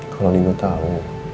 kalau niko tahu